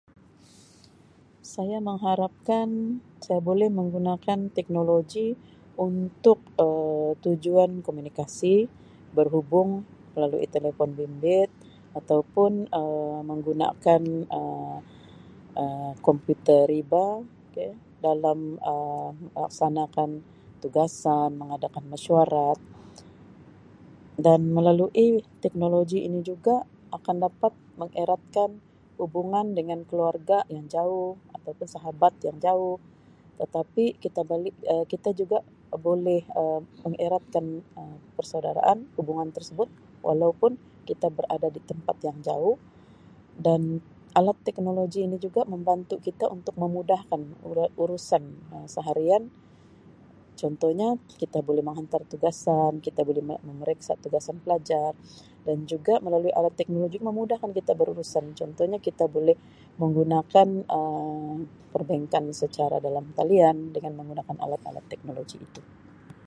Saya mengharapkan saya boleh menggunakan teknologi untuk Um tujuan komunikasi berhubung melalui telepon bimbit ataupun Um menggunakan Um komputer riba ke dalam Um melaksanakan tugasan, mengadakan mensyuarat dan melalui teknologi ini juga akan dapat mengeratkan hubungan dengan keluarga yang jauh ataupun sahabat yang jauh tetapi kita boleh- Um kita juga boleh Um mengeratkan Um persaudaraan hubungan tersebut walaupun kita berada di tempat yang jauh dan alat teknologi ini juga membantu kita untuk memudahkan ure-urusan Um seharian. Contohnya kita boleh menghantar tugasan, kita boleh me-memeriksa tugasan pelajar dan juga melalui alat teknologi ni memudahkan kita berurusan. Contohnya kita boleh menggunakan Um perbankan secara dalam talian dengan menggunakan alat-alat teknologi itu.